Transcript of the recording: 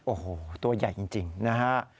โอ้โหตัวใหญ่จริงนะฮะ